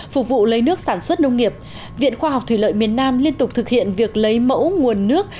phục vụ lấy nước sản xuất nông nghiệp viện khoa học thủy lợi miền nam liên tục thực hiện việc lấy mẫu nguồn nước